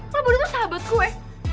lo berdua tuh sahabat gue